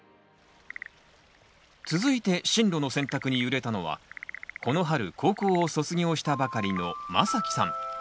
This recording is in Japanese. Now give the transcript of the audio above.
続いて進路の選択に揺れたのはこの春高校を卒業したばかりのまさきさん。